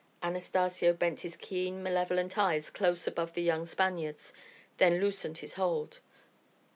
Anastacio bent his keen malevolent eyes close above the young Spaniard's, then loosened his hold.